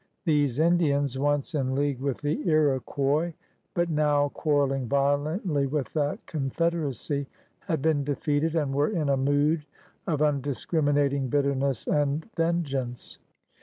These Indians, once in league with the Iro quois but now quarreling violently with that con federacy, had been defeated and were in a mood of undiscriminating bitterness and vengeance.